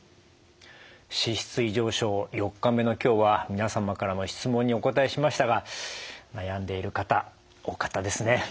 脂質異常症４日目の今日は皆様からの質問にお答えしましたが悩んでいる方多かったですね。